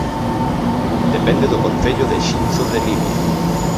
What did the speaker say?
Depende do Concello de Xinzo de Limia